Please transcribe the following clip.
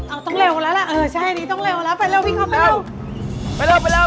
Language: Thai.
อ้าวต้องเร็วแล้วละเออใช่ดีต้องเร็วแล้วแบบนี้ไปเร็ว